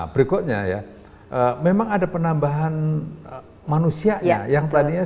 berikutnya memang ada penambahan manusia yang tadinya sembilan puluh ya